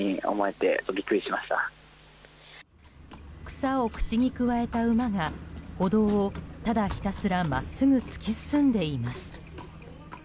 草を口にくわえた馬が歩道をただひたすら真っすぐ突き進んでいます。